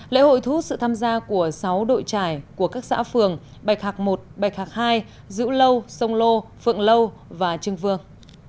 lễ hội thú sự tham gia của sáu đội trải của các xã phường bạch hạc i bạch hạc ii dữ lâu sông lô phượng lâu và trưng vương